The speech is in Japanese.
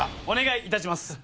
お願いいたします。